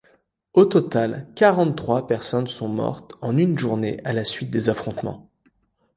Au total, quarante-trois personnes sont mortes en une journée à la suite des affrontements.